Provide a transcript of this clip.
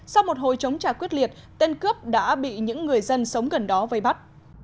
sau một hồi chống trả quyết liệt tên cướp đã bị những người dân sống gần đó vây bắt